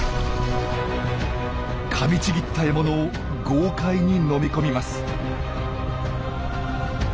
かみちぎった獲物を豪快に飲み込みます。